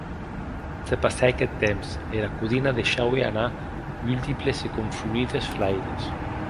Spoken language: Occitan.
Se passèc eth temps; era codina deishaue anar multiples e confonudes flaires.